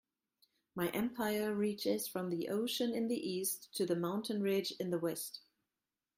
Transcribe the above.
My empire reaches from the ocean in the East to the mountain ridge in the West.